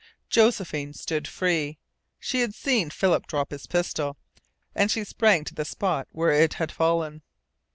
Josephine stood free. She had seen Philip drop his pistol and she sprang to the spot where it had fallen.